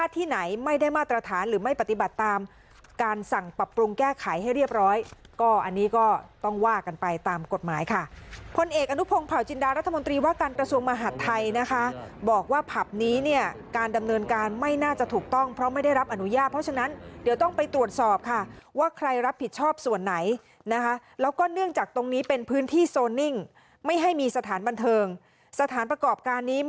ตามกฏหมายค่ะพลเอกอานุพงศ์ภาวิจินดารัฐมนตรีวักรกระทรวงมหัฐไทยนะคะบอกว่าผัพนี้เนี่ยการดำเนินการไม่น่าจะถูกต้องเพราะไม่ได้รับอนุญาตเพราะฉะนั้นเดี๋ยวต้องไปตรวจสอบค่ะว่าใครรับผิดชอบส่วนไหนนะคะแล้วก็เนื่องจากตรงนี้เป็นพื้นที่โซนนิ่งไม่ให้มีสถานบันเทิงสถานประกอบการ